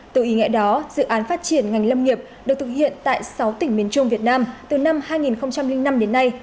từ ý nghĩa đó dự án phát triển ngành lâm nghiệp được thực hiện tại sáu tỉnh miền trung việt nam từ năm hai nghìn năm đến nay